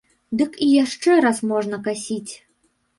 Дык і яшчэ раз можна касіць.